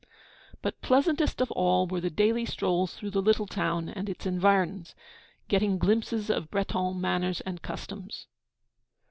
But pleasantest of all were the daily strolls through the little town and its environs, getting glimpses of Breton manners and customs.